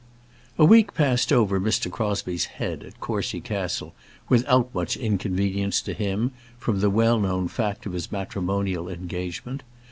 A week passed over Mr. Crosbie's head at Courcy Castle without much inconvenience to him from the well known fact of his matrimonial engagement.